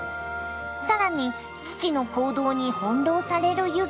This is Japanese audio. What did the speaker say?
更に父の行動に翻弄される柚月。